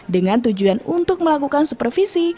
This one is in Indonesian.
dengan tujuan untuk melakukan supervisi